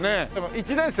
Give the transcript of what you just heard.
１年生？